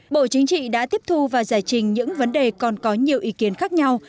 bộ chính trị đã tiếp thu và giải trình những vấn đề còn có nhiều ý kiến khác nhau